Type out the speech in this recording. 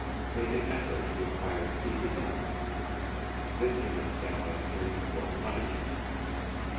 Make an effort to acquire an easy presence. This you must get by appearing before an audience.